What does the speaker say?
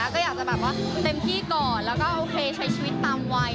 ก็อยากเต็มที่ก่อนและใช้ชีวิตตามไว้